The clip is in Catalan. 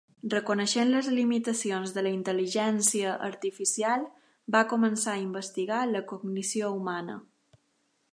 Reconeixent les limitacions de la intel·ligència artificial, va començar a investigar la cognició humana.